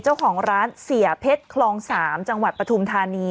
เจ้าของร้านเสียเพชรคลอง๓จังหวัดปฐุมธานี